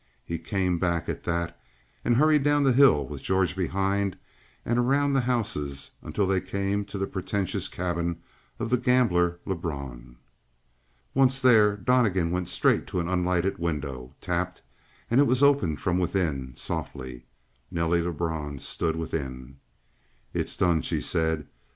He came back at that and hurried down the hill with George behind and around the houses until they came to the pretentious cabin of the gambler, Lebrun. Once there, Donnegan went straight to an unlighted window, tapped; and it was opened from within, softly. Nelly Lebrun stood within. "It's done," she said.